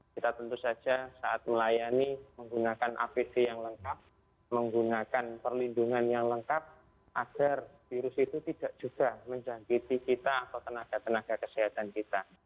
kita tentu saja saat melayani menggunakan apd yang lengkap menggunakan perlindungan yang lengkap agar virus itu tidak juga menjangkiti kita atau tenaga tenaga kesehatan kita